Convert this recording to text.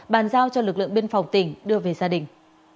bàn giao cho lực lượng biên phòng tỉnh đưa về gia đình